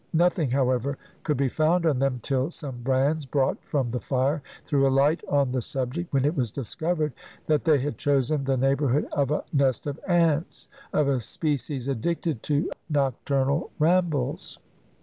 Nothing, however, could be found on them till some brands brought from the fire threw a light on the subject, when it was discovered that they had chosen the neighbourhood of a nest of ants, of a species addicted to nocturnal rambles.